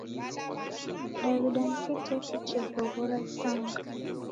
Kidaw'ida ni kiteto chezoghora isanga.